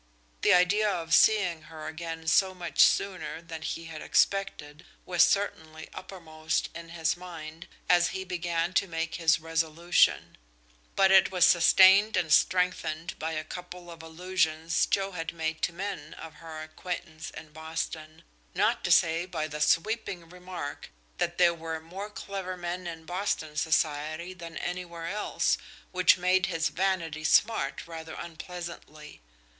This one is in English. The idea of seeing her again so much sooner than he had expected was certainly uppermost in his mind as he began to make his resolution; but it was sustained and strengthened by a couple of allusions Joe had made to men of her acquaintance in Boston, not to say by the sweeping remark that there were more clever men in Boston society than anywhere else, which made his vanity smart rather unpleasantly.